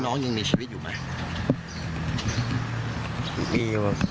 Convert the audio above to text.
น้องยังมีชีวิตอยู่ไหม